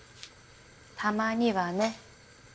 たまにはね。